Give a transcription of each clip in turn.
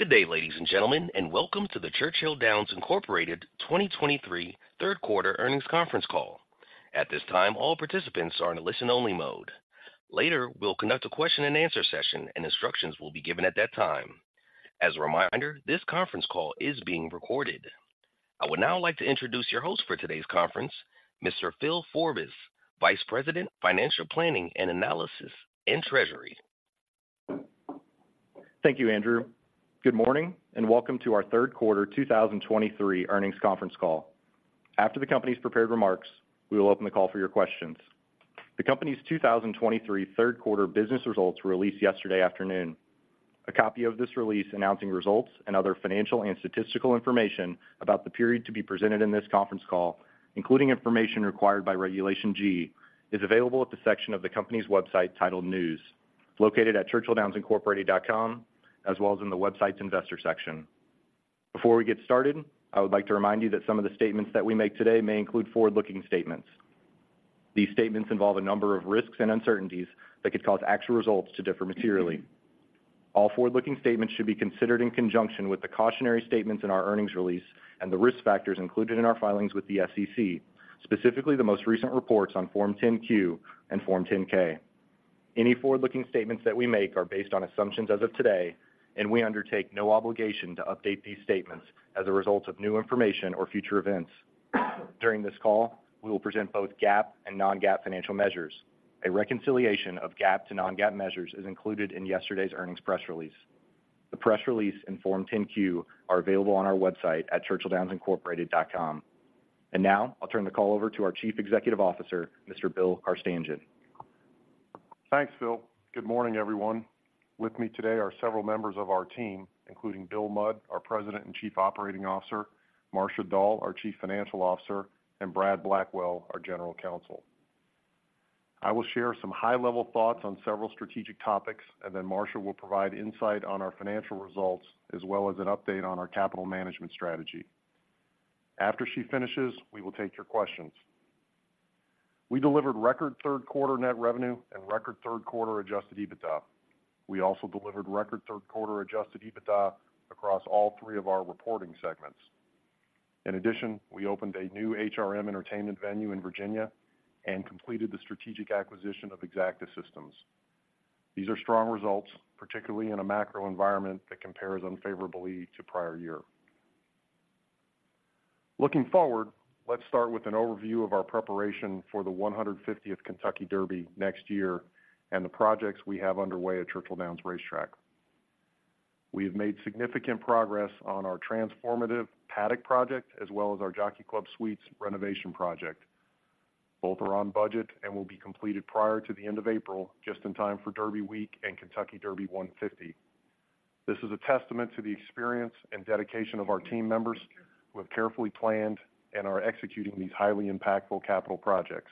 Good day, ladies and gentlemen, and welcome to the Churchill Downs Incorporated 2023 Third Quarter Earnings Conference Call. At this time, all participants are in a listen-only mode. Later, we'll conduct a question-and-answer session, and instructions will be given at that time. As a reminder, this conference call is being recorded. I would now like to introduce your host for today's conference, Mr. Phil Forbis, Vice President, Financial Planning and Analysis and Treasury. Thank you, Andrew. Good morning, and welcome to our third quarter 2023 earnings conference call. After the company's prepared remarks, we will open the call for your questions. The company's 2023 third quarter business results were released yesterday afternoon. A copy of this release announcing results and other financial and statistical information about the period to be presented in this conference call, including information required by Regulation G, is available at the section of the company's website titled News, located at ChurchillDownsIncorporated.com, as well as in the website's investor section. Before we get started, I would like to remind you that some of the statements that we make today may include forward-looking statements. These statements involve a number of risks and uncertainties that could cause actual results to differ materially. All forward-looking statements should be considered in conjunction with the cautionary statements in our earnings release and the risk factors included in our filings with the SEC, specifically the most recent reports on Form 10-Q and Form 10-K. Any forward-looking statements that we make are based on assumptions as of today, and we undertake no obligation to update these statements as a result of new information or future events. During this call, we will present both GAAP and non-GAAP financial measures. A reconciliation of GAAP to non-GAAP measures is included in yesterday's earnings press release. The press release and Form 10-Q are available on our website at ChurchillDownsIncorporated.com. Now I'll turn the call over to our Chief Executive Officer, Mr. Bill Carstanjen. Thanks, Phil. Good morning, everyone. With me today are several members of our team, including Bill Mudd, our President and Chief Operating Officer, Marcia Dall, our Chief Financial Officer, and Brad Blackwell, our General Counsel. I will share some high-level thoughts on several strategic topics, and then Marcia will provide insight on our financial results as well as an update on our capital management strategy. After she finishes, we will take your questions. We delivered record third quarter net revenue and record third quarter adjusted EBITDA. We also delivered record third quarter adjusted EBITDA across all three of our reporting segments. In addition, we opened a new HRM entertainment venue in Virginia and completed the strategic acquisition of Exacta Systems. These are strong results, particularly in a macro environment that compares unfavorably to prior year. Looking forward, let's start with an overview of our preparation for the 150th Kentucky Derby next year and the projects we have underway at Churchill Downs Racetrack. We have made significant progress on our transformative Paddock project as well as our Jockey Club Suites renovation project. Both are on budget and will be completed prior to the end of April, just in time for Derby Week and Kentucky Derby 150. This is a testament to the experience and dedication of our team members, who have carefully planned and are executing these highly impactful capital projects.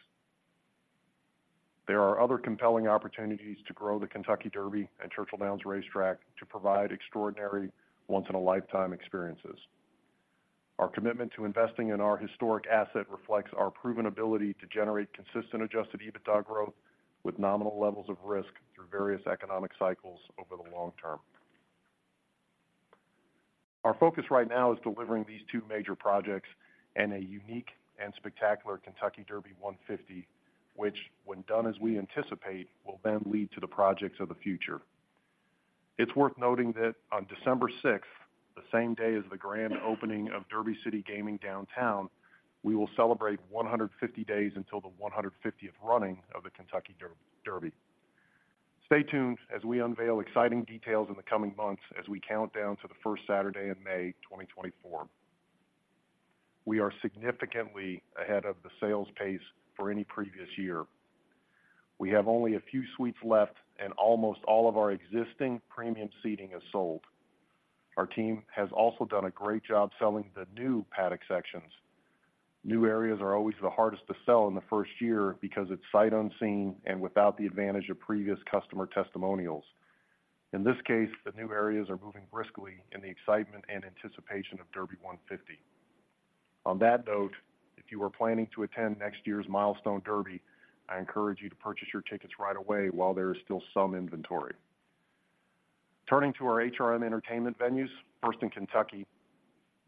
There are other compelling opportunities to grow the Kentucky Derby and Churchill Downs Racetrack to provide extraordinary, once-in-a-lifetime experiences. Our commitment to investing in our historic asset reflects our proven ability to generate consistent adjusted EBITDA growth with nominal levels of risk through various economic cycles over the long term. Our focus right now is delivering these two major projects and a unique and spectacular Kentucky Derby 150, which, when done as we anticipate, will then lead to the projects of the future. It's worth noting that on December 6th, the same day as the grand opening of Derby City Gaming Downtown, we will celebrate 150 days until the 150th running of the Kentucky Derby. Stay tuned as we unveil exciting details in the coming months as we count down to the first Saturday in May 2024. We are significantly ahead of the sales pace for any previous year. We have only a few suites left, and almost all of our existing premium seating is sold. Our team has also done a great job selling the new Paddock sections. New areas are always the hardest to sell in the first year because it's sight unseen and without the advantage of previous customer testimonials. In this case, the new areas are moving briskly in the excitement and anticipation of Derby 150. On that note, if you are planning to attend next year's Milestone Derby, I encourage you to purchase your tickets right away while there is still some inventory. Turning to our HRM entertainment venues, first in Kentucky,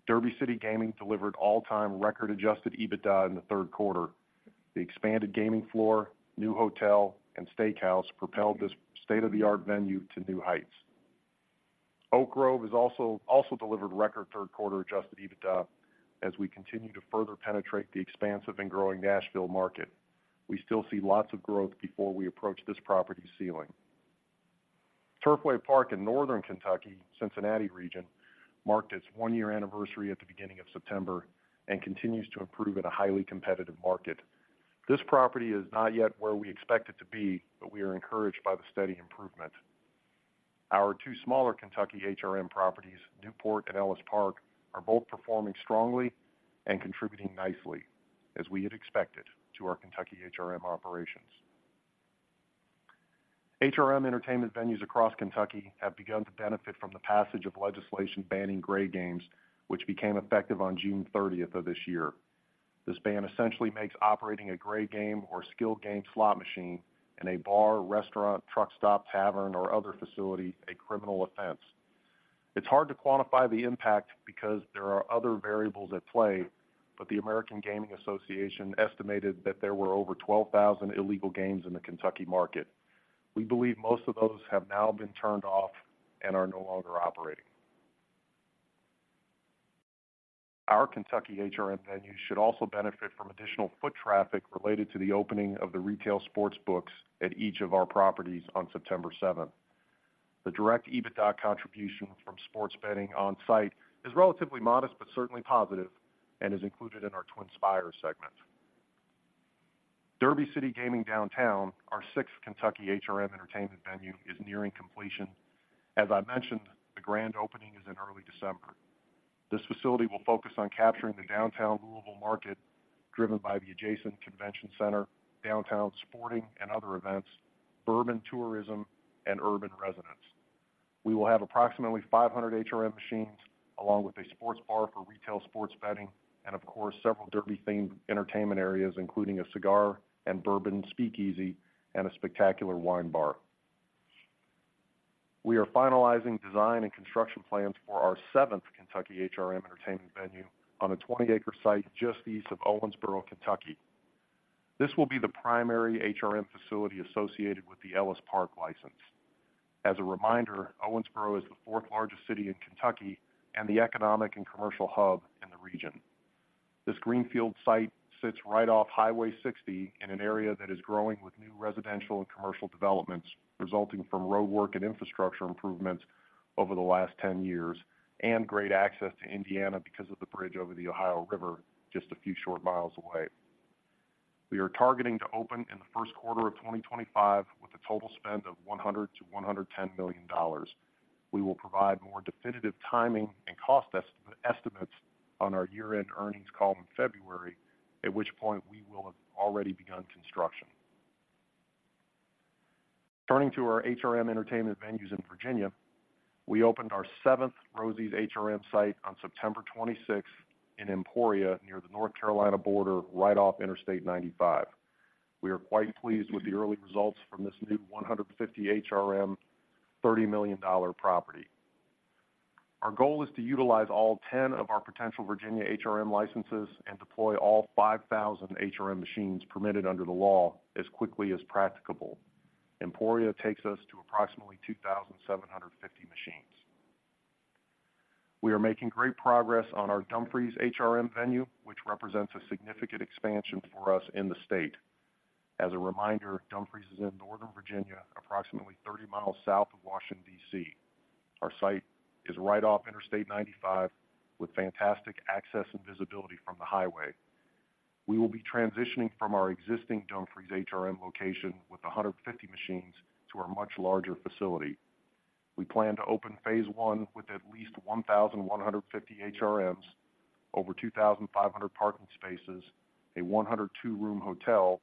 Derby City Gaming delivered all-time record adjusted EBITDA in the third quarter. The expanded gaming floor, new hotel, and steakhouse propelled this state-of-the-art venue to new heights. Oak Grove has also delivered record third quarter adjusted EBITDA as we continue to further penetrate the expansive and growing Nashville market. We still see lots of growth before we approach this property's ceiling. Turfway Park in Northern Kentucky, Cincinnati region, marked its one-year anniversary at the beginning of September and continues to improve in a highly competitive market. This property is not yet where we expect it to be, but we are encouraged by the steady improvement. Our two smaller Kentucky HRM properties, Newport and Ellis Park, are both performing strongly and contributing nicely, as we had expected, to our Kentucky HRM operations. HRM entertainment venues across Kentucky have begun to benefit from the passage of legislation banning gray games, which became effective on June 30 of this year. This ban essentially makes operating a gray game or skill game slot machine in a bar, restaurant, truck stop, tavern, or other facility, a criminal offense. It's hard to quantify the impact because there are other variables at play, but the American Gaming Association estimated that there were over 12,000 illegal games in the Kentucky market. We believe most of those have now been turned off and are no longer operating. Our Kentucky HRM venue should also benefit from additional foot traffic related to the opening of the retail sports books at each of our properties on September 7. The direct EBITDA contribution from sports betting on-site is relatively modest, but certainly positive, and is included in our TwinSpires segment. Derby City Gaming Downtown, our sixth Kentucky HRM entertainment venue, is nearing completion. As I mentioned, the grand opening is in early December. This facility will focus on capturing the downtown Louisville market, driven by the adjacent convention center, downtown sporting and other events, bourbon tourism, and urban residents. We will have approximately 500 HRM machines, along with a sports bar for retail sports betting, and of course, several derby-themed entertainment areas, including a cigar and bourbon speakeasy and a spectacular wine bar. We are finalizing design and construction plans for our seventh Kentucky HRM entertainment venue on a 20-acre site just east of Owensboro, Kentucky. This will be the primary HRM facility associated with the Ellis Park license. As a reminder, Owensboro is the fourth-largest city in Kentucky and the economic and commercial hub in the region. This greenfield site sits right off Highway 60 in an area that is growing with new residential and commercial developments, resulting from roadwork and infrastructure improvements over the last 10 years, and great access to Indiana because of the bridge over the Ohio River just a few short miles away. We are targeting to open in the first quarter of 2025 with a total spend of $100 million-$110 million. We will provide more definitive timing and cost estimates on our year-end earnings call in February, at which point we will have already begun construction. Turning to our HRM entertainment venues in Virginia, we opened our seventh Rosie's HRM site on September 26th in Emporia, near the North Carolina border, right off Interstate 95. We are quite pleased with the early results from this new 150 HRM, $30 million property. Our goal is to utilize all 10 of our potential Virginia HRM licenses and deploy all 5,000 HRM machines permitted under the law, as quickly as practicable. Emporia takes us to approximately 2,750 machines. We are making great progress on our Dumfries HRM venue, which represents a significant expansion for us in the state. As a reminder, Dumfries is in Northern Virginia, approximately 30 miles south of Washington, D.C. Our site is right off Interstate 95, with fantastic access and visibility from the highway. We will be transitioning from our existing Dumfries HRM location with 150 machines to our much larger facility. We plan to open phase one with at least 1,150 HRMs, over 2,500 parking spaces, a 102-room hotel,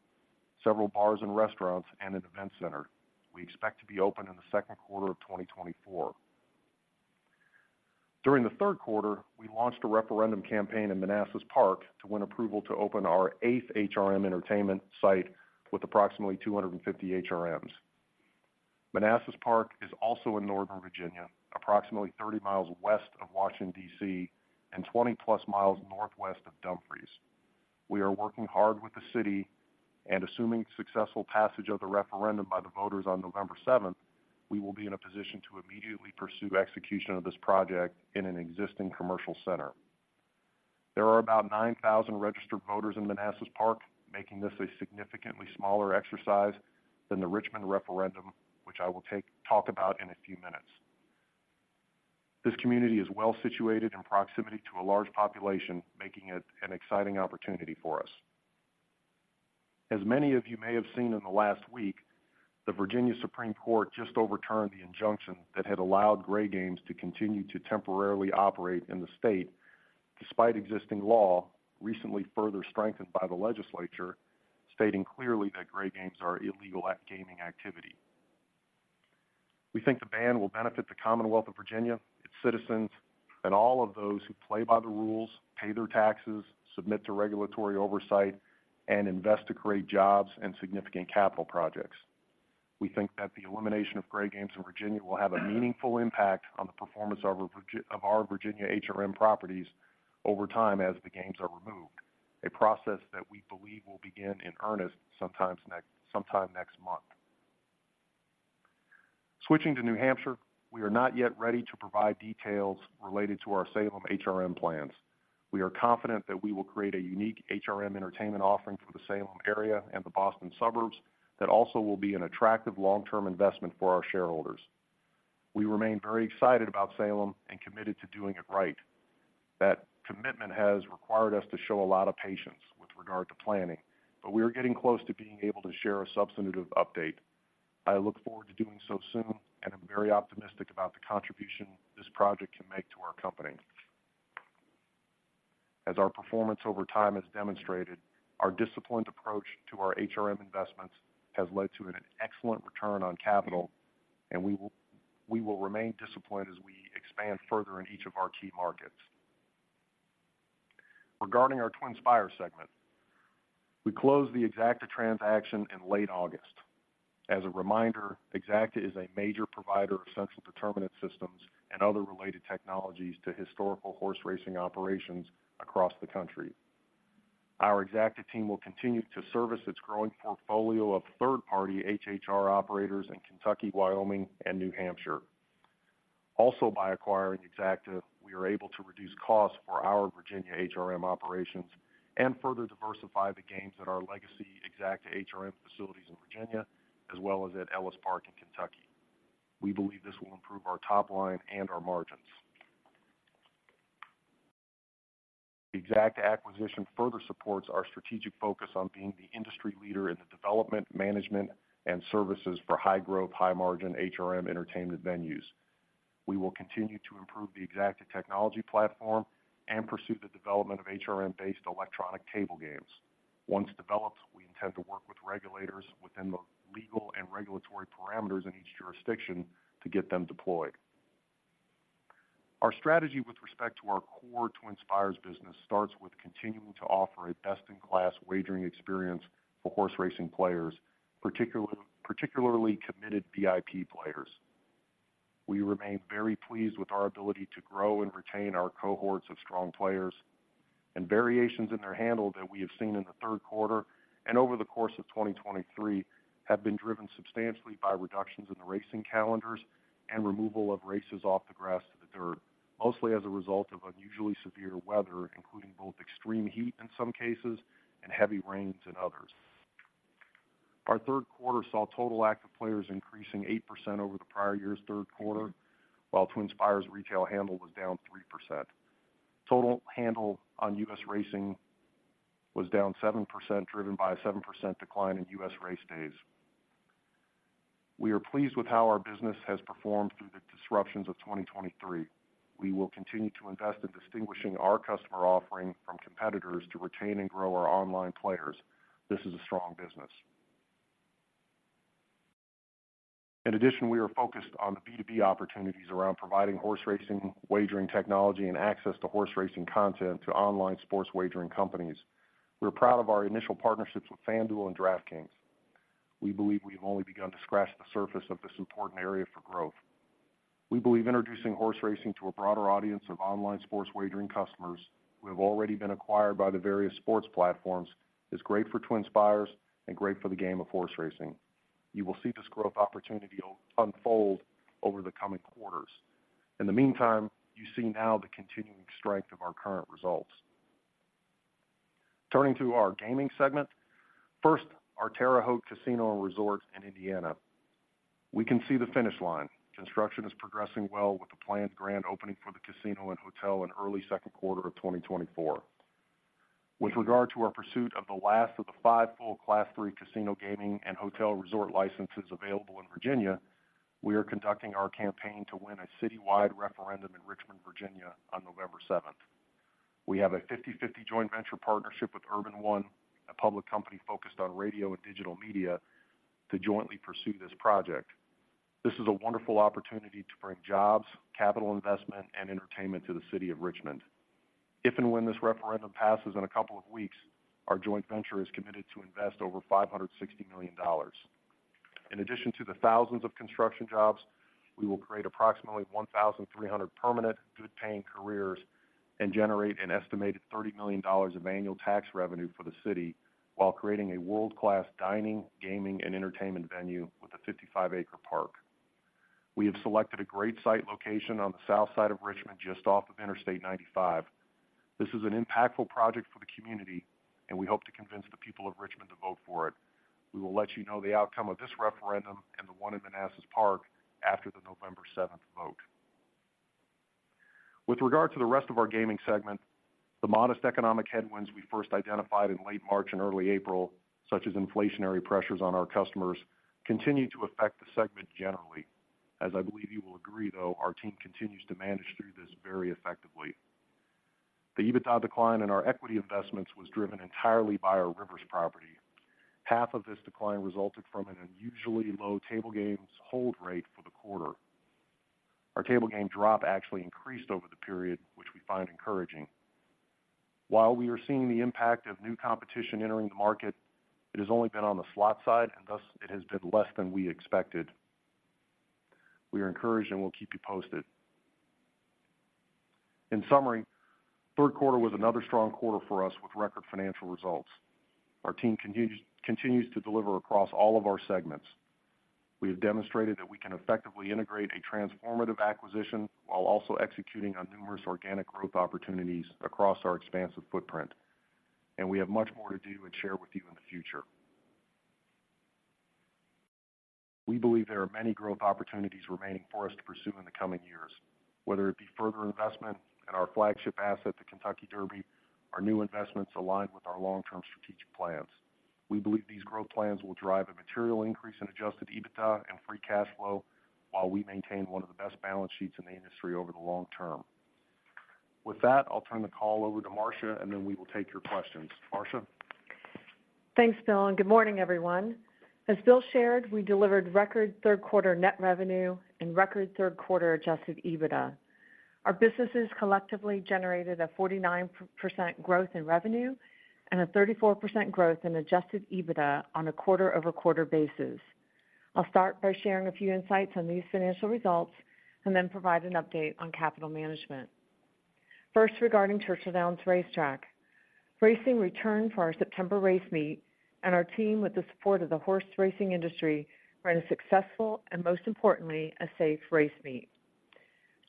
several bars and restaurants, and an event center. We expect to be open in the second quarter of 2024. During the third quarter, we launched a referendum campaign in Manassas Park to win approval to open our eighth HRM entertainment site with approximately 250 HRMs. Manassas Park is also in Northern Virginia, approximately 30 miles west of Washington, D.C., and 20+ miles northwest of Dumfries. We are working hard with the city, and assuming successful passage of the referendum by the voters on November seventh, we will be in a position to immediately pursue execution of this project in an existing commercial center. There are about 9,000 registered voters in Manassas Park, making this a significantly smaller exercise than the Richmond referendum, which I will talk about in a few minutes. This community is well-situated in proximity to a large population, making it an exciting opportunity for us. As many of you may have seen in the last week, the Virginia Supreme Court just overturned the injunction that had allowed gray games to continue to temporarily operate in the state, despite existing law, recently further strengthened by the legislature, stating clearly that gray games are illegal at gaming activity. We think the ban will benefit the Commonwealth of Virginia, its citizens, and all of those who play by the rules, pay their taxes, submit to regulatory oversight, and invest to create jobs and significant capital projects. We think that the elimination of gray games in Virginia will have a meaningful impact on the performance of our Virginia HRM properties over time as the games are removed, a process that we believe will begin in earnest sometime next month. Switching to New Hampshire, we are not yet ready to provide details related to our Salem HRM plans. We are confident that we will create a unique HRM entertainment offering for the Salem area and the Boston suburbs that also will be an attractive long-term investment for our shareholders. We remain very excited about Salem and committed to doing it right. That commitment has required us to show a lot of patience with regard to planning, but we are getting close to being able to share a substantive update. I look forward to doing so soon, and I'm very optimistic about the contribution this project can make to our company. As our performance over time has demonstrated, our disciplined approach to our HRM investments has led to an excellent return on capital, and we will remain disciplined as we expand further in each of our key markets. Regarding our TwinSpires segment, we closed the Exacta transaction in late August. As a reminder, Exacta is a major provider of central determinant systems and other related technologies to historical horse racing operations across the country. Our Exacta team will continue to service its growing portfolio of third-party HHR operators in Kentucky, Wyoming, and New Hampshire. Also, by acquiring Exacta, we are able to reduce costs for our Virginia HRM operations and further diversify the games at our legacy Exacta HRM facilities in Virginia, as well as at Ellis Park in Kentucky. We believe this will improve our top line and our margins. The Exacta acquisition further supports our strategic focus on being the industry leader in the development, management, and services for high-growth, high-margin HRM entertainment venues. We will continue to improve the Exacta technology platform and pursue the development of HRM-based electronic table games. Once developed, we intend to work with regulators within the legal and regulatory parameters in each jurisdiction to get them deployed. Our strategy with respect to our core TwinSpires business starts with continuing to offer a best-in-class wagering experience for horse racing players, particularly, particularly committed VIP players. We remain very pleased with our ability to grow and retain our cohorts of strong players, and variations in their handle that we have seen in the third quarter and over the course of 2023 have been driven substantially by reductions in the racing calendars and removal of races off the grass to the dirt, mostly as a result of unusually severe weather, including both extreme heat in some cases and heavy rains in others. Our third quarter saw total active players increasing 8% over the prior year's third quarter, while TwinSpires retail handle was down 3%. Total handle on U.S. racing was down 7%, driven by a 7% decline in U.S. race days. We are pleased with how our business has performed through the disruptions of 2023. We will continue to invest in distinguishing our customer offering from competitors to retain and grow our online players. This is a strong business. In addition, we are focused on the B2B opportunities around providing horse racing, wagering technology, and access to horse racing content to online sports wagering companies. We're proud of our initial partnerships with FanDuel and DraftKings. We believe we have only begun to scratch the surface of this important area for growth. We believe introducing horse racing to a broader audience of online sports wagering customers, who have already been acquired by the various sports platforms, is great for TwinSpires and great for the game of horse racing. You will see this growth opportunity unfold over the coming quarters. In the meantime, you see now the continuing strength of our current results. Turning to our gaming segment. First, our Terre Haute Casino & Resort in Indiana. We can see the finish line. Construction is progressing well with the planned grand opening for the casino and hotel in early second quarter of 2024. With regard to our pursuit of the last of the 5 full Class III casino gaming and hotel resort licenses available in Virginia, we are conducting our campaign to win a citywide referendum in Richmond, Virginia, on November 7th. We have a 50/50 joint venture partnership with Urban One, a public company focused on radio and digital media, to jointly pursue this project. This is a wonderful opportunity to bring jobs, capital investment, and entertainment to the city of Richmond. If and when this referendum passes in a couple of weeks, our joint venture is committed to invest over $560 million. In addition to the thousands of construction jobs, we will create approximately 1,300 permanent, good-paying careers and generate an estimated $30 million of annual tax revenue for the city while creating a world-class dining, gaming, and entertainment venue with a 55-acre park. We have selected a great site location on the south side of Richmond, just off of Interstate 95. This is an impactful project for the community, and we hope to convince the people of Richmond to vote for it. We will let you know the outcome of this referendum and the one in Manassas Park after the November 7th vote. With regard to the rest of our gaming segment, the modest economic headwinds we first identified in late March and early April, such as inflationary pressures on our customers, continue to affect the segment generally. As I believe you will agree, though, our team continues to manage through this very effectively. The EBITDA decline in our equity investments was driven entirely by our Rivers property. Half of this decline resulted from an unusually low table games hold rate for the quarter. Our table game drop actually increased over the period, which we find encouraging. While we are seeing the impact of new competition entering the market, it has only been on the slot side, and thus, it has been less than we expected. We are encouraged, and we'll keep you posted. In summary, third quarter was another strong quarter for us with record financial results. Our team continues, continues to deliver across all of our segments. We have demonstrated that we can effectively integrate a transformative acquisition while also executing on numerous organic growth opportunities across our expansive footprint, and we have much more to do and share with you in the future. We believe there are many growth opportunities remaining for us to pursue in the coming years, whether it be further investment in our flagship asset, the Kentucky Derby, our new investments aligned with our long-term strategic plans. We believe these growth plans will drive a material increase in adjusted EBITDA and free cash flow while we maintain one of the best balance sheets in the industry over the long term. With that, I'll turn the call over to Marcia, and then we will take your questions. Marcia? Thanks, Bill, and good morning, everyone. As Bill shared, we delivered record third quarter net revenue and record third quarter adjusted EBITDA. Our businesses collectively generated a 49% growth in revenue and a 34% growth in adjusted EBITDA on a quarter-over-quarter basis. I'll start by sharing a few insights on these financial results and then provide an update on capital management. First, regarding Churchill Downs Racetrack. Racing returned for our September race meet, and our team, with the support of the horse racing industry, ran a successful and most importantly, a safe race meet.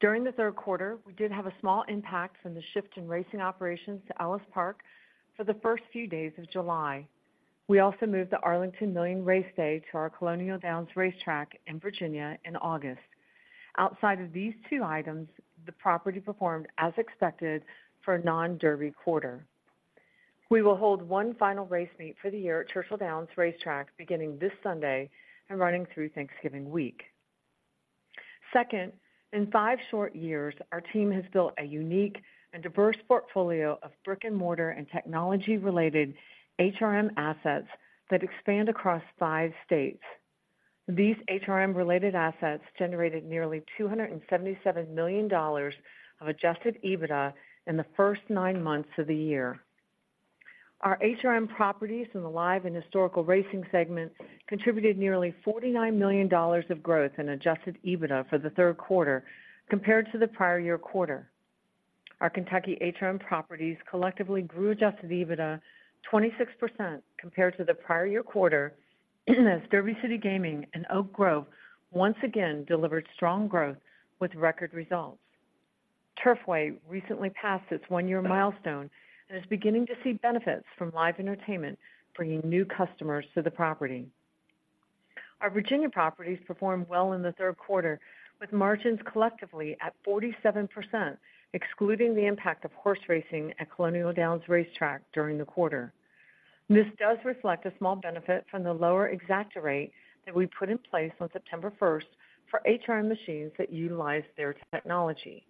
During the third quarter, we did have a small impact from the shift in racing operations to Ellis Park for the first few days of July. We also moved the Arlington Million Race Day to our Colonial Downs Racetrack in Virginia in August. Outside of these two items, the property performed as expected for a non-Derby quarter. We will hold one final race meet for the year at Churchill Downs Racetrack, beginning this Sunday and running through Thanksgiving week. Second, in five short years, our team has built a unique and diverse portfolio of brick-and-mortar and technology-related HRM assets that expand across five states. These HRM-related assets generated nearly $277 million of adjusted EBITDA in the first nine months of the year. Our HRM properties in the live and historical racing segment contributed nearly $49 million of growth in adjusted EBITDA for the third quarter compared to the prior year quarter. Our Kentucky HRM properties collectively grew adjusted EBITDA 26% compared to the prior year quarter, as Derby City Gaming and Oak Grove once again delivered strong growth with record results. Turfway recently passed its one-year milestone and is beginning to see benefits from live entertainment, bringing new customers to the property. Our Virginia properties performed well in the third quarter, with margins collectively at 47%, excluding the impact of horse racing at Colonial Downs Racetrack during the quarter. This does reflect a small benefit from the lower Exacta rate that we put in place on September first for HRM machines that utilize their technology.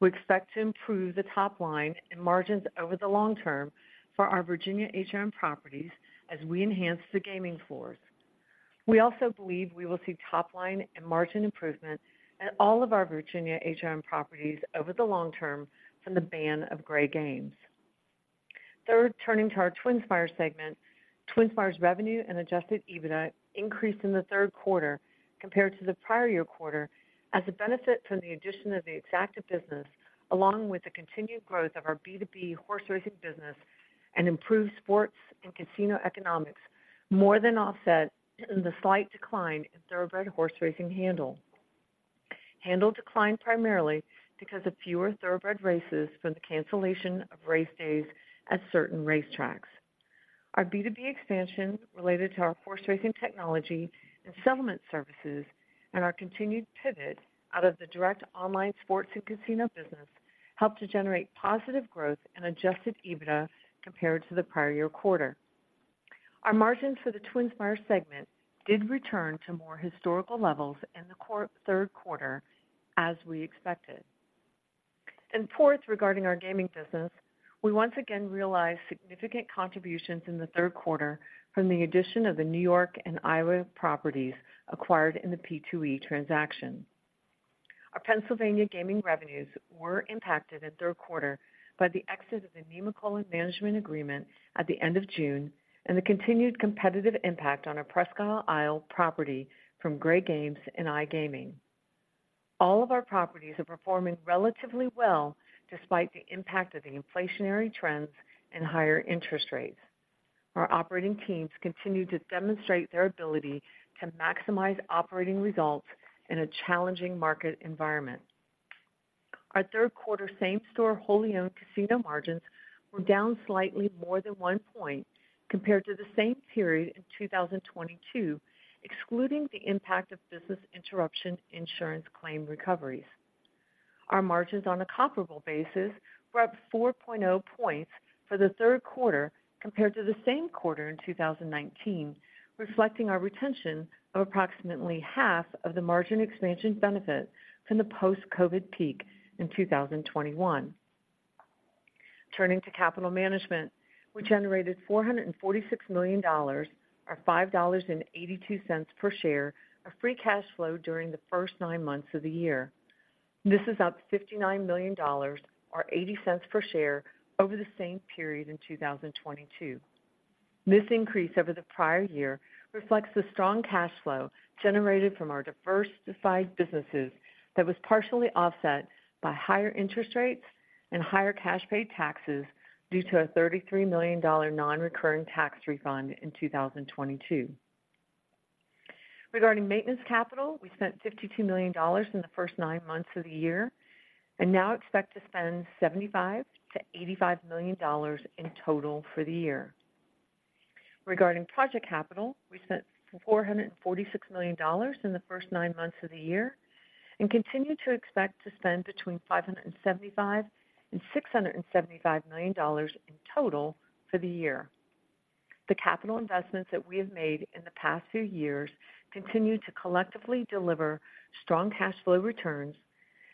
We expect to improve the top line and margins over the long term for our Virginia HRM properties as we enhance the gaming floors. We also believe we will see top line and margin improvement at all of our Virginia HRM properties over the long term from the ban of gray games. Third, turning to our TwinSpires segment. TwinSpires revenue and adjusted EBITDA increased in the third quarter compared to the prior year quarter as a benefit from the addition of the Exacta business, along with the continued growth of our B2B horse racing business and improved sports and casino economics, more than offset the slight decline in thoroughbred horse racing handle. Handle declined primarily because of fewer thoroughbred races from the cancellation of race days at certain racetracks. Our B2B expansion related to our horse racing technology and settlement services and our continued pivot out of the direct online sports and casino business helped to generate positive growth and adjusted EBITDA compared to the prior year quarter. Our margins for the TwinSpires segment did return to more historical levels in the core third quarter, as we expected. Fourth, regarding our gaming business, we once again realized significant contributions in the third quarter from the addition of the New York and Iowa properties acquired in the P2E transaction. Our Pennsylvania gaming revenues were impacted in third quarter by the exit of the Nemacolin management agreement at the end of June and the continued competitive impact on our Presque Isle property from gray games and iGaming. All of our properties are performing relatively well, despite the impact of the inflationary trends and higher interest rates. Our operating teams continue to demonstrate their ability to maximize operating results in a challenging market environment. Our third quarter same-store, wholly owned casino margins were down slightly more than 1 point compared to the same period in 2022, excluding the impact of business interruption insurance claim recoveries. Our margins on a comparable basis were up 4.0 points for the third quarter compared to the same quarter in 2019, reflecting our retention of approximately half of the margin expansion benefit from the post-COVID peak in 2021. Turning to capital management, we generated $446 million, or $5.82 per share of free cash flow during the first nine months of the year. This is up $59 million or $0.80 per share over the same period in 2022. This increase over the prior year reflects the strong cash flow generated from our diversified businesses that was partially offset by higher interest rates and higher cash paid taxes due to a $33 million non-recurring tax refund in 2022. Regarding Maintenance Capital, we spent $52 million in the first nine months of the year and now expect to spend $75 million-$85 million in total for the year. Regarding Project Capital, we spent $446 million in the first nine months of the year and continue to expect to spend between $575 million and $675 million in total for the year... The capital investments that we have made in the past few years continue to collectively deliver strong cash flow returns,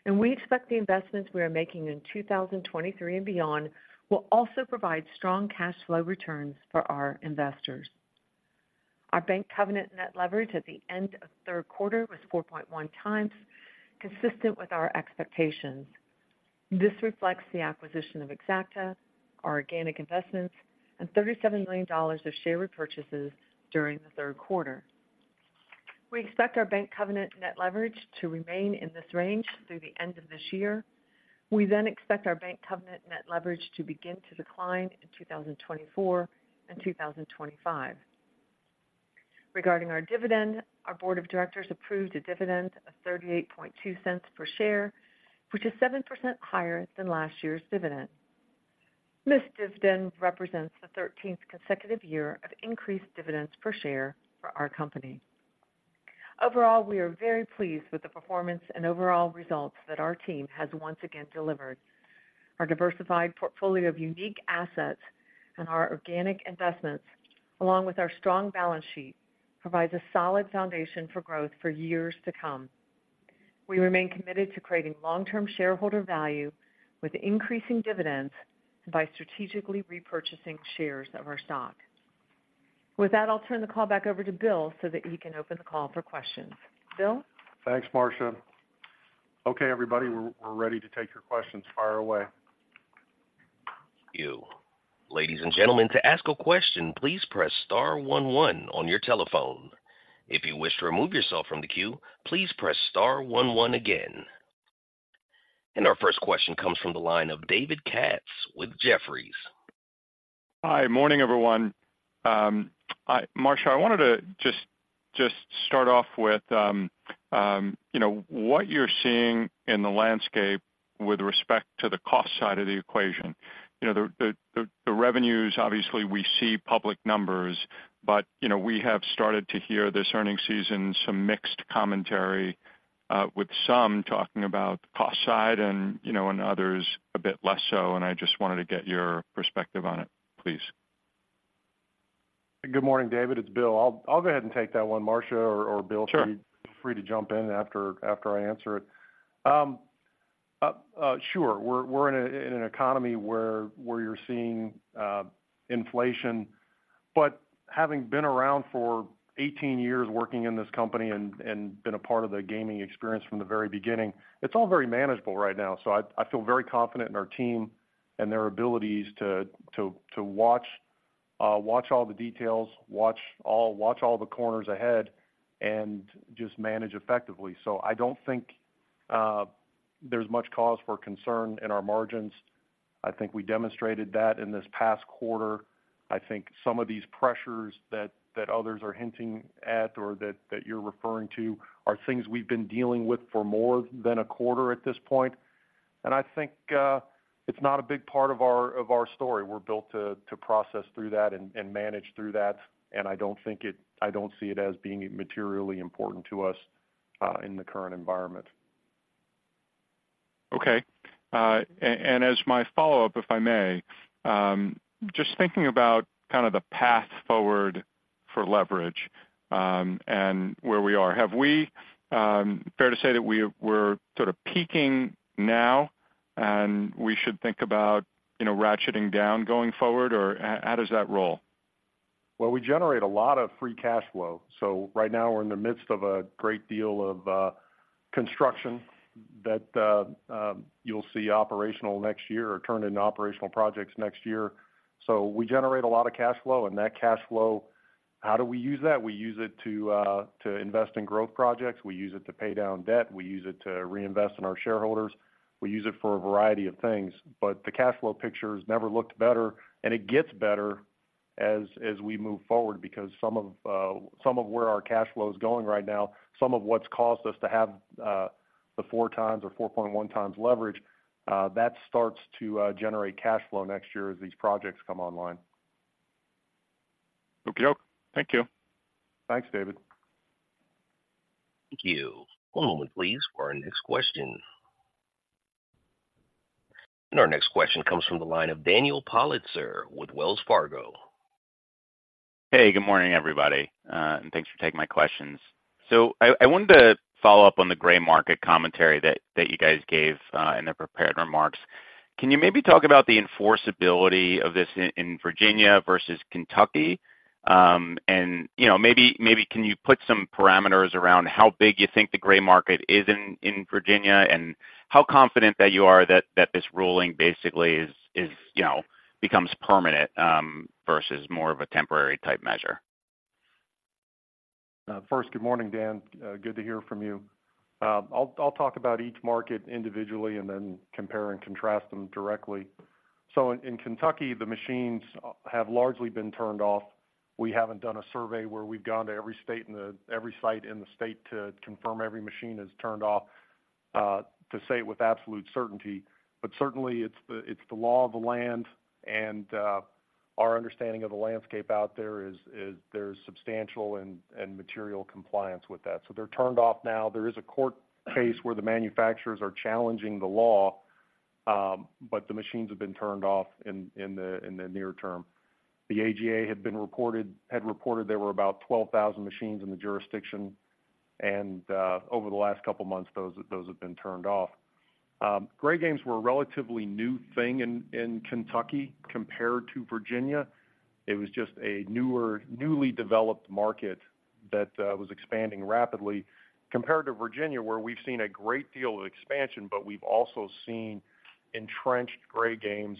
and we expect the investments we are making in 2023 and beyond will also provide strong cash flow returns for our investors. Our Bank Covenant Net Leverage at the end of the third quarter was 4.1 times, consistent with our expectations. This reflects the acquisition of Exacta, our organic investments, and $37 million of share repurchases during the third quarter. We expect our Bank Covenant Net Leverage to remain in this range through the end of this year. We then expect our Bank Covenant Net Leverage to begin to decline in 2024 and 2025. Regarding our dividend, our board of directors approved a dividend of $0.382 per share, which is 7% higher than last year's dividend. This dividend represents the 13th consecutive year of increased dividends per share for our company. Overall, we are very pleased with the performance and overall results that our team has once again delivered. Our diversified portfolio of unique assets and our organic investments, along with our strong balance sheet, provides a solid foundation for growth for years to come. We remain committed to creating long-term shareholder value with increasing dividends by strategically repurchasing shares of our stock. With that, I'll turn the call back over to Bill so that he can open the call for questions. Bill? Thanks, Marcia. Okay, everybody, we're ready to take your questions. Fire away. Thank you. Ladies and gentlemen, to ask a question, please press star one one on your telephone. If you wish to remove yourself from the queue, please press star one one again. Our first question comes from the line of David Katz with Jefferies. Hi, morning, everyone. Marcia, I wanted to just start off with, you know, what you're seeing in the landscape with respect to the cost side of the equation. You know, the revenues, obviously, we see public numbers, but, you know, we have started to hear this earnings season, some mixed commentary, with some talking about cost side and, you know, and others a bit less so, and I just wanted to get your perspective on it, please. Good morning, David. It's Bill. I'll go ahead and take that one, Marcia or Bill- Sure. Feel free to jump in after I answer it. Sure. We're in an economy where you're seeing inflation, but having been around for 18 years working in this company and been a part of the gaming experience from the very beginning, it's all very manageable right now. So I feel very confident in our team and their abilities to watch all the details, watch all the corners ahead and just manage effectively. So I don't think there's much cause for concern in our margins. I think we demonstrated that in this past quarter. I think some of these pressures that others are hinting at or that you're referring to are things we've been dealing with for more than a quarter at this point. I think it's not a big part of our story. We're built to process through that and manage through that, and I don't think it. I don't see it as being materially important to us in the current environment. Okay. And as my follow-up, if I may, just thinking about kind of the path forward for leverage, and where we are. Have we fair to say that we're sort of peaking now, and we should think about, you know, ratcheting down going forward, or how does that roll? Well, we generate a lot of free cash flow. So right now we're in the midst of a great deal of construction that you'll see operational next year or turn into operational projects next year. So we generate a lot of cash flow, and that cash flow, how do we use that? We use it to invest in growth projects. We use it to pay down debt. We use it to reinvest in our shareholders. We use it for a variety of things, but the cash flow picture has never looked better, and it gets better as we move forward because some of some of where our cash flow is going right now, some of what's caused us to have the 4 times or 4.1 times leverage that starts to generate cash flow next year as these projects come online. Okie doke. Thank you. Thanks, David. Thank you. One moment, please, for our next question. Our next question comes from the line of Daniel Politzer with Wells Fargo. Hey, good morning, everybody, and thanks for taking my questions. So I wanted to follow up on the gray market commentary that you guys gave in the prepared remarks. Can you maybe talk about the enforceability of this in Virginia versus Kentucky? And, you know, maybe can you put some parameters around how big you think the gray market is in Virginia, and how confident that you are that this ruling basically is, you know, becomes permanent versus more of a temporary type measure? First, good morning, Dan. Good to hear from you. I'll talk about each market individually and then compare and contrast them directly. So in Kentucky, the machines have largely been turned off. We haven't done a survey where we've gone to every state in the, every site in the state to confirm every machine is turned off, to say it with absolute certainty. But certainly, it's the law of the land, and our understanding of the landscape out there is there's substantial and material compliance with that. So they're turned off now. There is a court case where the manufacturers are challenging the law, but the machines have been turned off in the near term. The AGA had reported there were about 12,000 machines in the jurisdiction, and over the last couple of months, those have been turned off. Gray games were a relatively new thing in Kentucky compared to Virginia. It was just a newer, newly developed market that was expanding rapidly compared to Virginia, where we've seen a great deal of expansion, but we've also seen entrenched gray games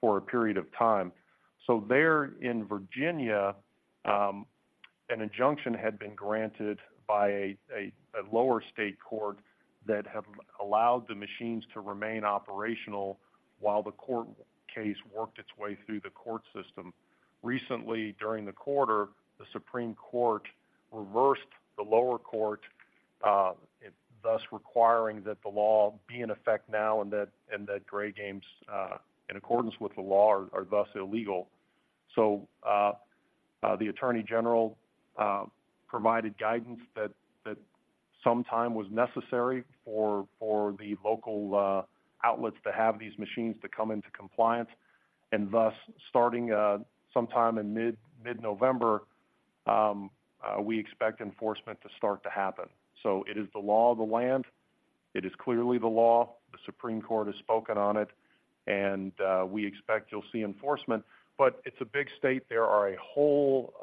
for a period of time. So there in Virginia, an injunction had been granted by a lower state court that have allowed the machines to remain operational while the court case worked its way through the court system. Recently, during the quarter, the Supreme Court reversed the lower court, thus requiring that the law be in effect now and that gray games, in accordance with the law, are thus illegal. So, the attorney general provided guidance that some time was necessary for the local outlets to have these machines to come into compliance, and thus, starting sometime in mid-November, we expect enforcement to start to happen. So it is the law of the land. It is clearly the law. The Supreme Court has spoken on it, and we expect you'll see enforcement, but it's a big state. There are a whole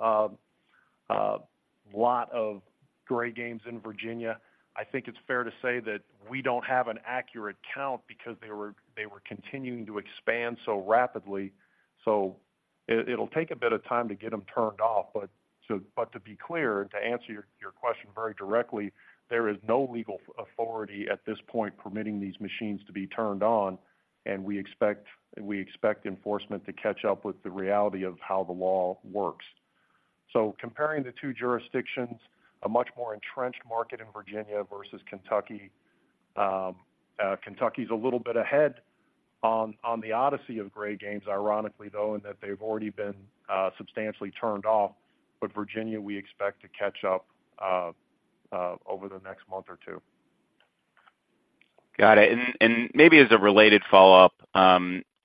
lot of gray games in Virginia. I think it's fair to say that we don't have an accurate count because they were continuing to expand so rapidly, so it'll take a bit of time to get them turned off. But to be clear, to answer your question very directly, there is no legal authority at this point permitting these machines to be turned on, and we expect enforcement to catch up with the reality of how the law works. So comparing the two jurisdictions, a much more entrenched market in Virginia versus Kentucky, Kentucky is a little bit ahead on the odyssey of gray games, ironically, though, and that they've already been substantially turned off, but Virginia, we expect to catch up over the next month or two. Got it. And maybe as a related follow-up,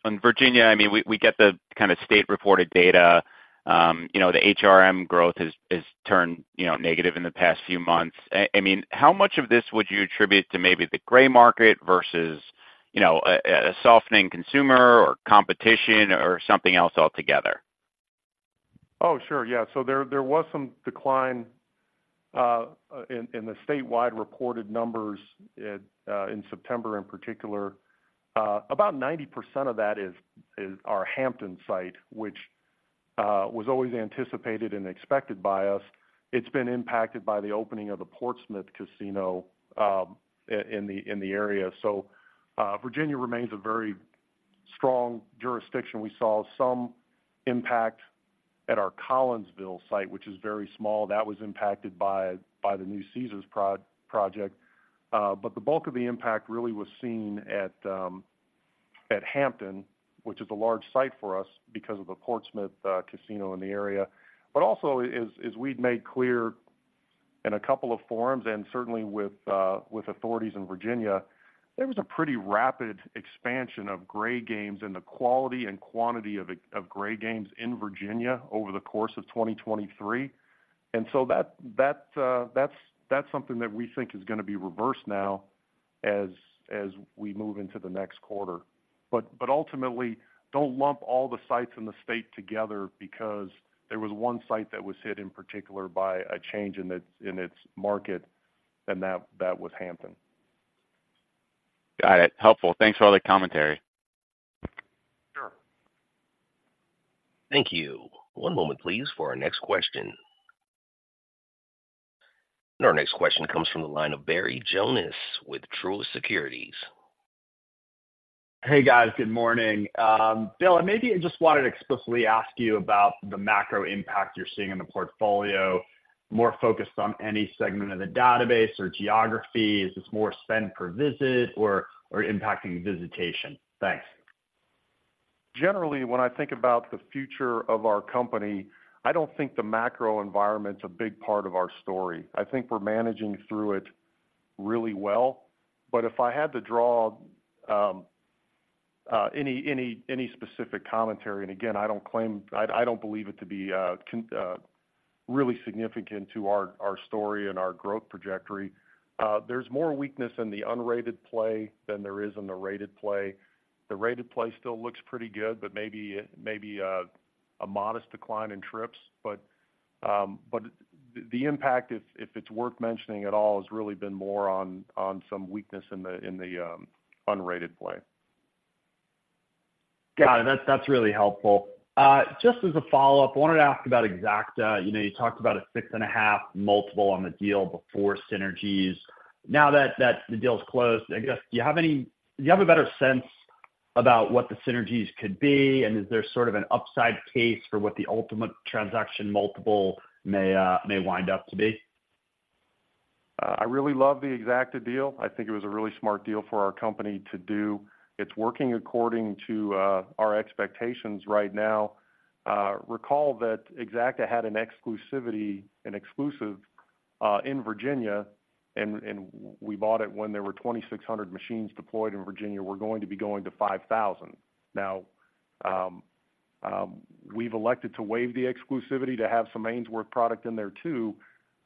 on Virginia, I mean, we get the kind of state-reported data, you know, the HRM growth has turned, you know, negative in the past few months. I mean, how much of this would you attribute to maybe the gray market versus, you know, a softening consumer or competition or something else altogether? Oh, sure. Yeah, so there, there was some decline in the statewide reported numbers in September in particular. About 90% of that is our Hampton site, which was always anticipated and expected by us. It's been impacted by the opening of the Portsmouth Casino in the area. So, Virginia remains a very strong jurisdiction. We saw some impact at our Collinsville site, which is very small. That was impacted by the new Caesars project, but the bulk of the impact really was seen at Hampton, which is a large site for us because of the Portsmouth Casino in the area. But also, as we've made clear in a couple of forums, and certainly with authorities in Virginia, there was a pretty rapid expansion of gray games and the quality and quantity of gray games in Virginia over the course of 2023. And so that that's something that we think is gonna be reversed now as we move into the next quarter. But ultimately, don't lump all the sites in the state together because there was one site that was hit in particular by a change in its market, and that was Hampton. Got it. Helpful. Thanks for all the commentary. Sure. Thank you. One moment, please, for our next question. Our next question comes from the line of Barry Jonas with Truist Securities. Hey, guys. Good morning. Bill, I maybe just wanted to explicitly ask you about the macro impact you're seeing in the portfolio, more focused on any segment of the database or geography. Is this more spend per visit or, or impacting visitation? Thanks. Generally, when I think about the future of our company, I don't think the macro environment's a big part of our story. I think we're managing through it really well. But if I had to draw any specific commentary, and again, I don't claim, I don't believe it to be really significant to our story and our growth trajectory. There's more weakness in the unrated play than there is in the rated play. The rated play still looks pretty good, but maybe a modest decline in trips. But the impact, if it's worth mentioning at all, has really been more on some weakness in the unrated play. Got it. That's, that's really helpful. Just as a follow-up, I wanted to ask about Exacta. You know, you talked about a 6.5x multiple on the deal before synergies. Now that the deal is closed, I guess, do you have a better sense about what the synergies could be, and is there sort of an upside case for what the ultimate transaction multiple may wind up to be? I really love the Exacta deal. I think it was a really smart deal for our company to do. It's working according to our expectations right now. Recall that Exacta had an exclusivity in Virginia, and we bought it when there were 2,600 machines deployed in Virginia. We're going to be going to 5,000. Now, we've elected to waive the exclusivity to have some Ainsworth product in there, too.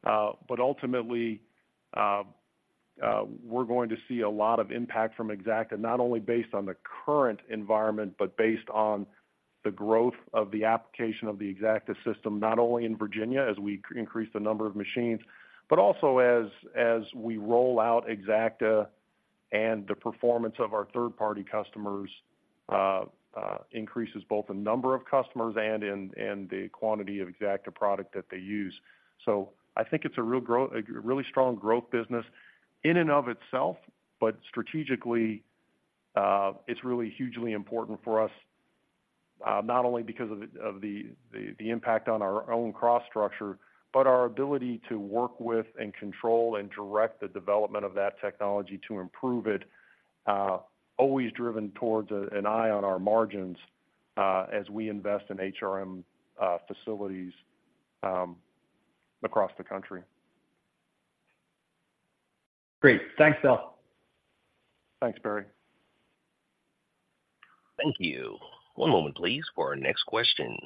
But ultimately, we're going to see a lot of impact from Exacta, not only based on the current environment, but based on the growth of the application of the Exacta system, not only in Virginia as we increase the number of machines, but also as we roll out Exacta and the performance of our third-party customers increases both the number of customers and the quantity of Exacta product that they use. So I think it's a real growth—a really strong growth business in and of itself, but strategically, it's really hugely important for us, not only because of the impact on our own cross-structure, but our ability to work with and control and direct the development of that technology to improve it, always driven towards an eye on our margins, as we invest in HRM facilities across the country. Great. Thanks, Bill. Thanks, Barry. Thank you. One moment, please, for our next question.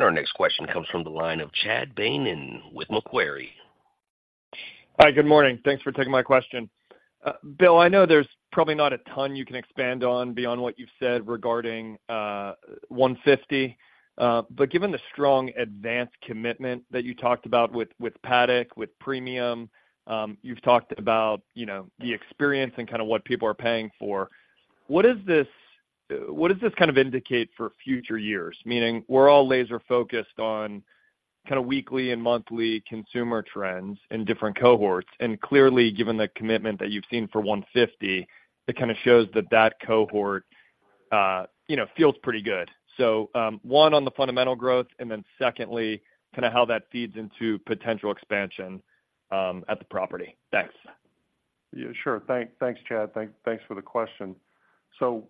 Our next question comes from the line of Chad Beynon with Macquarie. Hi, good morning. Thanks for taking my question. Bill, I know there's probably not a ton you can expand on beyond what you've said regarding 150, but given the strong advanced commitment that you talked about with Paddock, with Premium, you've talked about, you know, the experience and kind of what people are paying for. What does this, what does this kind of indicate for future years? Meaning, we're all laser focused on kind of weekly and monthly consumer trends in different cohorts, and clearly, given the commitment that you've seen for 150, it kind of shows that that cohort, you know, feels pretty good. So, one, on the fundamental growth, and then secondly, kind of how that feeds into potential expansion at the property. Thanks. Yeah, sure. Thanks, Chad. Thanks for the question. So,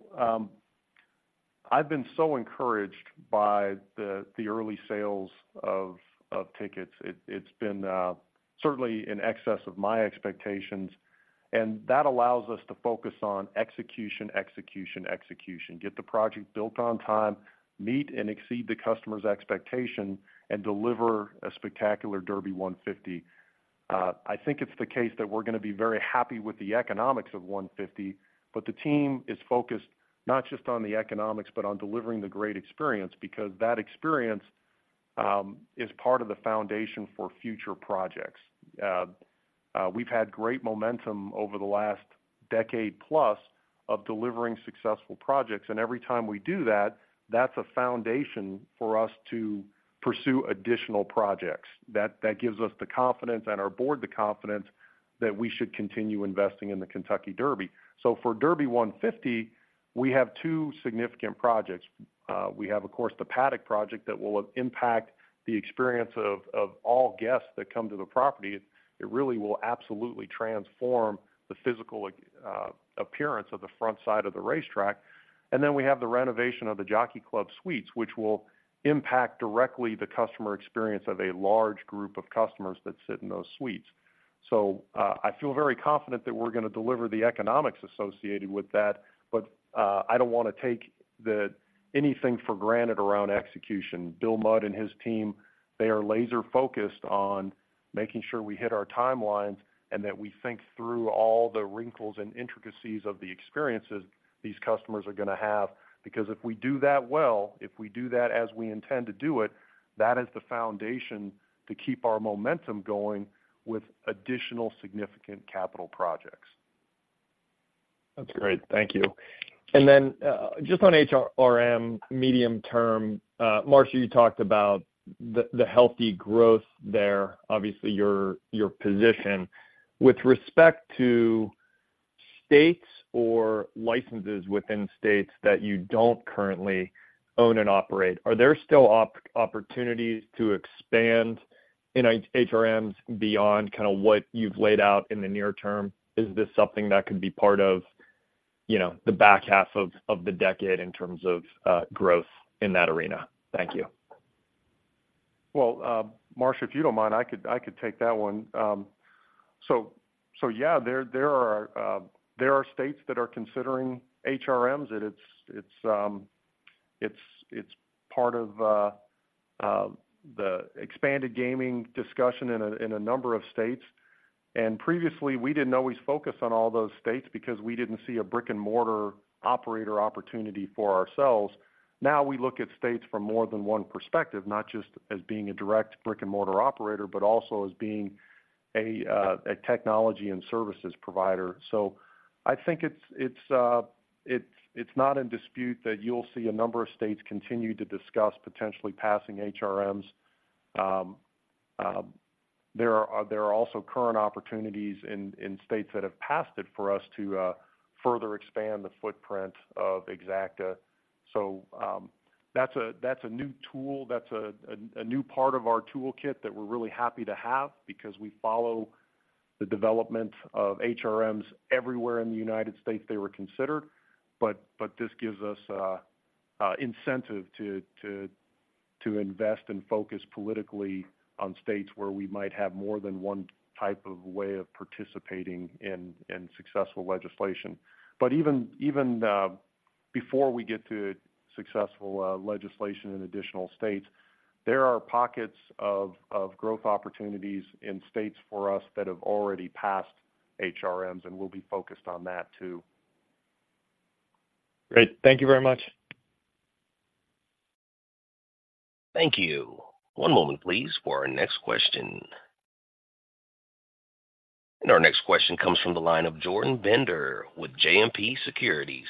I've been so encouraged by the early sales of tickets. It's been certainly in excess of my expectations, and that allows us to focus on execution, execution, execution. Get the project built on time, meet and exceed the customer's expectation, and deliver a spectacular Derby 150. I think it's the case that we're going to be very happy with the economics of 150, but the team is focused not just on the economics, but on delivering the great experience, because that experience is part of the foundation for future projects. We've had great momentum over the last decade plus of delivering successful projects, and every time we do that, that's a foundation for us to pursue additional projects. That, that gives us the confidence and our board the confidence that we should continue investing in the Kentucky Derby. So for Derby 150, we have two significant projects. We have, of course, the Paddock project that will impact the experience of all guests that come to the property. It really will absolutely transform the physical appearance of the front side of the racetrack. And then we have the renovation of the Jockey Club Suites, which will impact directly the customer experience of a large group of customers that sit in those suites. So, I feel very confident that we're going to deliver the economics associated with that, but I don't want to take anything for granted around execution. Bill Mudd and his team, they are laser focused on making sure we hit our timelines and that we think through all the wrinkles and intricacies of the experiences these customers are going to have. Because if we do that well, if we do that as we intend to do it, that is the foundation to keep our momentum going with additional significant capital projects. That's great. Thank you. And then, just on HRM, medium term, Marcia, you talked about the healthy growth there, obviously, your position. With respect to states or licenses within states that you don't currently own and operate, are there still opportunities to expand in HRMs beyond kind of what you've laid out in the near term? Is this something that could be part of, you know, the back half of the decade in terms of growth in that arena? Thank you. Well, Marcia, if you don't mind, I could take that one. So yeah, there are states that are considering HRMs, and it's part of the expanded gaming discussion in a number of states. Previously, we didn't always focus on all those states because we didn't see a brick-and-mortar operator opportunity for ourselves. Now, we look at states from more than one perspective, not just as being a direct brick-and-mortar operator, but also as being a technology and services provider. So I think it's not in dispute that you'll see a number of states continue to discuss potentially passing HRMs. There are also current opportunities in states that have passed it for us to further expand the footprint of Exacta. So, that's a new tool, that's a new part of our toolkit that we're really happy to have because we follow the development of HRMs everywhere in the United States. They were considered, but this gives us incentive to invest and focus politically on states where we might have more than one type of way of participating in successful legislation. But even before we get to successful legislation in additional states, there are pockets of growth opportunities in states for us that have already passed HRMs, and we'll be focused on that too. Great. Thank you very much. Thank you. One moment, please, for our next question. Our next question comes from the line of Jordan Bender with JMP Securities.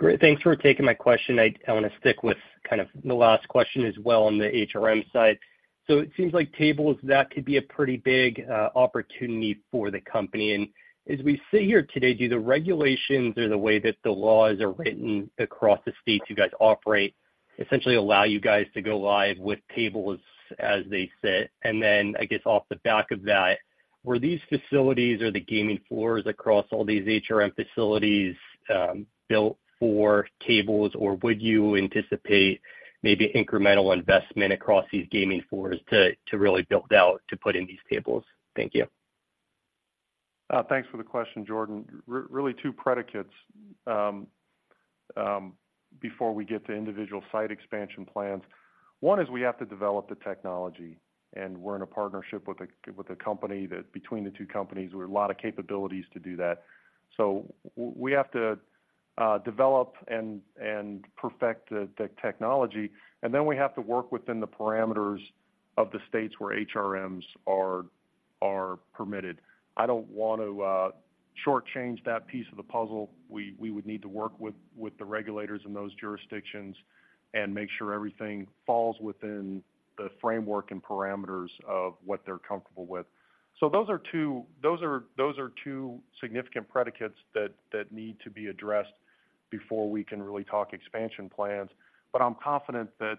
Great. Thanks for taking my question. I want to stick with kind of the last question as well on the HRM side. So it seems like tables, that could be a pretty big opportunity for the company. And as we sit here today, do the regulations or the way that the laws are written across the states you guys operate, essentially allow you guys to go live with tables as they sit? And then, I guess, off the back of that, were these facilities or the gaming floors across all these HRM facilities built for tables, or would you anticipate maybe incremental investment across these gaming floors to really build out, to put in these tables? Thank you. Thanks for the question, Jordan. Really two predicates before we get to individual site expansion plans. One is we have to develop the technology, and we're in a partnership with a company that between the two companies, we have a lot of capabilities to do that. So we have to develop and perfect the technology, and then we have to work within the parameters of the states where HRMs are permitted. I don't want to shortchange that piece of the puzzle. We would need to work with the regulators in those jurisdictions and make sure everything falls within the framework and parameters of what they're comfortable with. So those are two significant predicates that need to be addressed before we can really talk expansion plans. But I'm confident that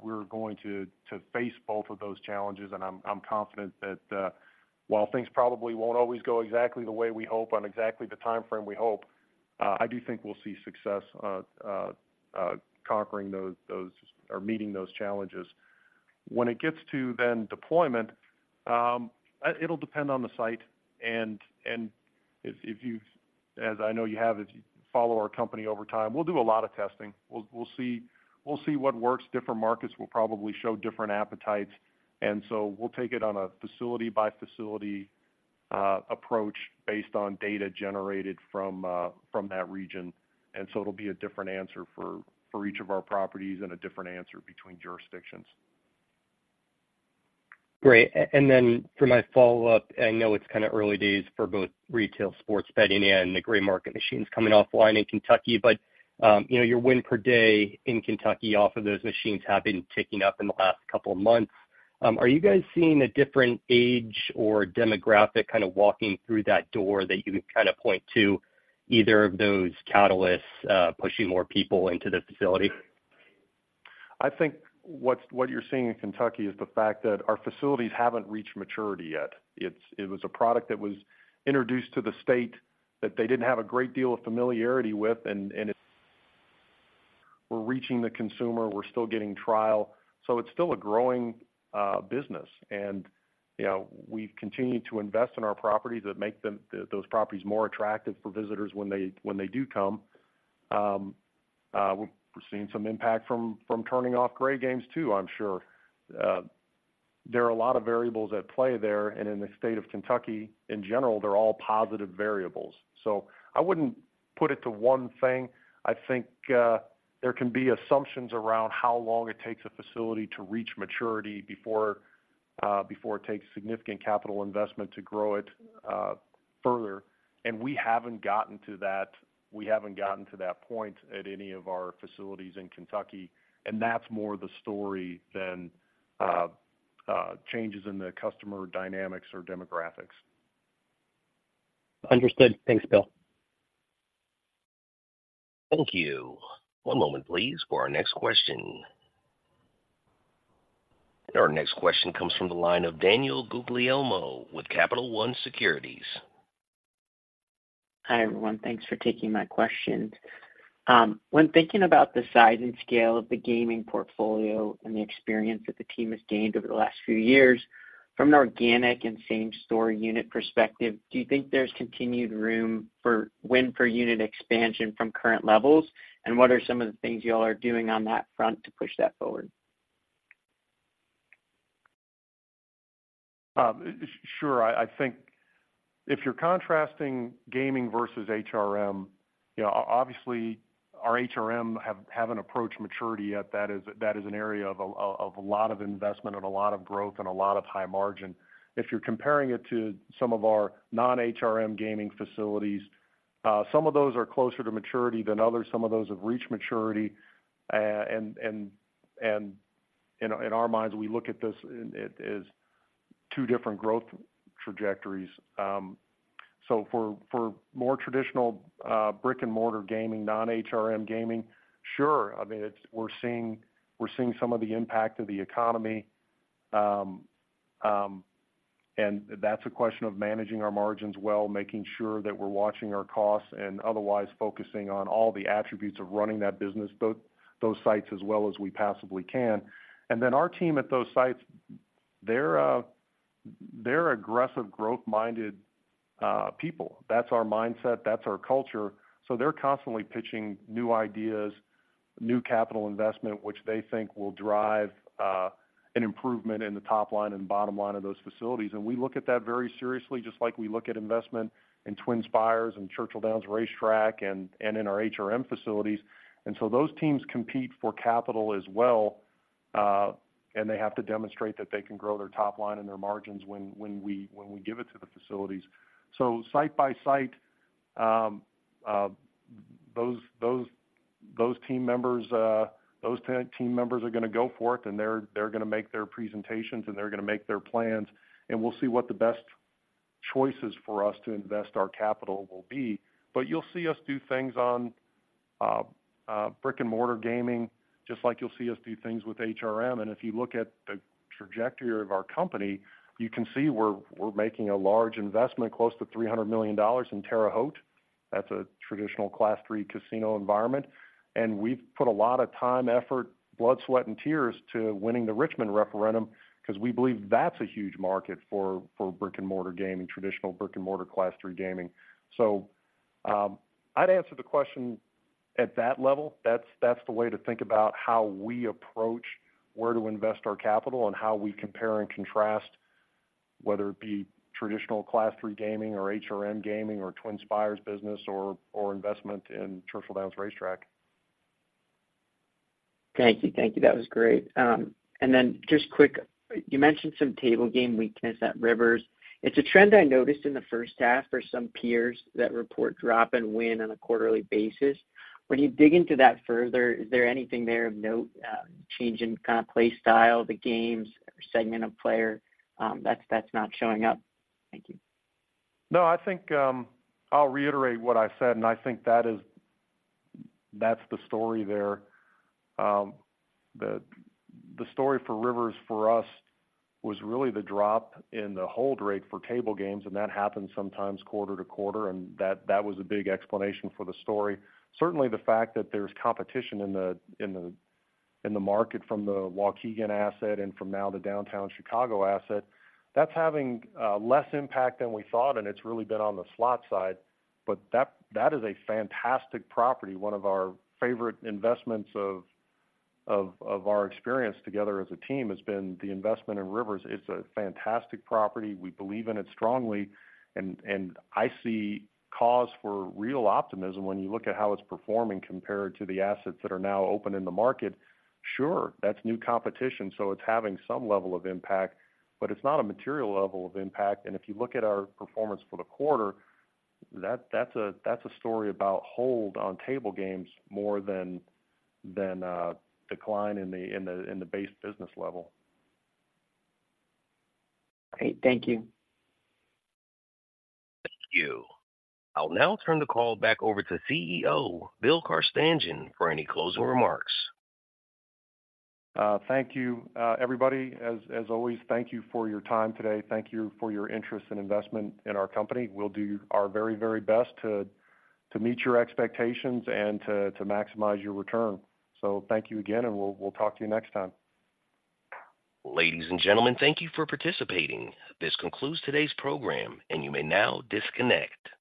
we're going to face both of those challenges, and I'm confident that while things probably won't always go exactly the way we hope on exactly the timeframe we hope, I do think we'll see success conquering those, or meeting those challenges. When it gets to then deployment, it'll depend on the site, and if you've-- as I know you have, if you follow our company over time, we'll do a lot of testing. We'll see what works. Different markets will probably show different appetites, and so we'll take it on a facility-by-facility approach based on data generated from that region. And so it'll be a different answer for each of our properties and a different answer between jurisdictions. Great. And then for my follow-up, I know it's kind of early days for both retail sports betting and the gray market machines coming offline in Kentucky, but, you know, your win per day in Kentucky off of those machines have been ticking up in the last couple of months. Are you guys seeing a different age or demographic kind of walking through that door that you can kind of point to either of those catalysts pushing more people into the facility? I think what you're seeing in Kentucky is the fact that our facilities haven't reached maturity yet. It was a product that was introduced to the state that they didn't have a great deal of familiarity with, and it. We're reaching the consumer, we're still getting trial, so it's still a growing business. And, you know, we've continued to invest in our properties that make those properties more attractive for visitors when they do come. We're seeing some impact from turning off gray games, too, I'm sure. There are a lot of variables at play there, and in the state of Kentucky, in general, they're all positive variables. So I wouldn't put it to one thing. I think, there can be assumptions around how long it takes a facility to reach maturity before, before it takes significant capital investment to grow it, further. We haven't gotten to that. We haven't gotten to that point at any of our facilities in Kentucky, and that's more the story than, changes in the customer dynamics or demographics. Understood. Thanks, Bill. Thank you. One moment, please, for our next question. Our next question comes from the line of Daniel Guglielmo with Capital One Securities. Hi, everyone. Thanks for taking my questions. When thinking about the size and scale of the gaming portfolio and the experience that the team has gained over the last few years, from an organic and same-store unit perspective, do you think there's continued room for win per unit expansion from current levels? And what are some of the things you all are doing on that front to push that forward? Sure. I think if you're contrasting gaming versus HRM, you know, obviously, our HRM haven't approached maturity yet. That is an area of a lot of investment and a lot of growth and a lot of high margin. If you're comparing it to some of our non-HRM gaming facilities, some of those are closer to maturity than others. Some of those have reached maturity, and in our minds, we look at this as two different growth trajectories. So for more traditional brick-and-mortar gaming, non-HRM gaming, sure. I mean, it's, we're seeing some of the impact of the economy. That's a question of managing our margins well, making sure that we're watching our costs, and otherwise focusing on all the attributes of running that business, both those sites, as well as we possibly can. And then our team at those sites, they're aggressive, growth-minded people. That's our mindset, that's our culture. So they're constantly pitching new ideas, new capital investment, which they think will drive an improvement in the top line and bottom line of those facilities. And we look at that very seriously, just like we look at investment in TwinSpires and Churchill Downs Racetrack and in our HRM facilities. And so those teams compete for capital as well, and they have to demonstrate that they can grow their top line and their margins when we give it to the facilities. So site by site, those team members are gonna go for it, and they're gonna make their presentations, and they're gonna make their plans, and we'll see what the best choices for us to invest our capital will be. But you'll see us do things on brick-and-mortar gaming, just like you'll see us do things with HRM. And if you look at the trajectory of our company, you can see we're making a large investment, close to $300 million in Terre Haute. That's a traditional Class III casino environment, and we've put a lot of time, effort, blood, sweat, and tears to winning the Richmond referendum because we believe that's a huge market for brick-and-mortar gaming, traditional brick-and-mortar Class III gaming. So I'd answer the question at that level. That's the way to think about how we approach where to invest our capital and how we compare and contrast, whether it be traditional Class III gaming or HRM gaming or TwinSpires business or investment in Churchill Downs Racetrack. Thank you. Thank you. That was great. And then just quick, you mentioned some table game weakness at Rivers. It's a trend I noticed in the first half for some peers that report drop and win on a quarterly basis. When you dig into that further, is there anything there of note, change in kind of play style, the games, or segment of player, that's not showing up? Thank you. No, I think, I'll reiterate what I said, and I think that is, that's the story there. The story for Rivers for us was really the drop in the hold rate for table games, and that happens sometimes quarter-over-quarter, and that was a big explanation for the story. Certainly, the fact that there's competition in the market from the Waukegan asset and from now the downtown Chicago asset, that's having less impact than we thought, and it's really been on the slot side. But that is a fantastic property. One of our favorite investments of our experience together as a team has been the investment in Rivers. It's a fantastic property. We believe in it strongly, and I see cause for real optimism when you look at how it's performing compared to the assets that are now open in the market. Sure, that's new competition, so it's having some level of impact, but it's not a material level of impact. And if you look at our performance for the quarter, that's a story about hold on table games more than decline in the base business level. Great. Thank you. Thank you. I'll now turn the call back over to CEO, Bill Carstanjen, for any closing remarks. Thank you, everybody. As always, thank you for your time today. Thank you for your interest and investment in our company. We'll do our very, very best to meet your expectations and to maximize your return. Thank you again, and we'll talk to you next time. Ladies and gentlemen, thank you for participating. This concludes today's program, and you may now disconnect.